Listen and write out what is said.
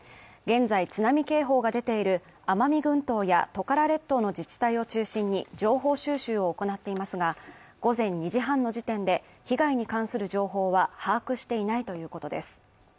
現在津波警報が出ている奄美群島やトカラ列島の自治体を中心に情報収集を行っていますが、午前２時半の時点で被害に関する情報は把握していないということです。